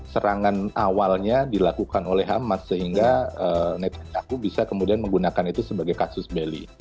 serangan awalnya dilakukan oleh hamas sehingga netra jagu bisa kemudian menggunakan itu sebagai kasus beli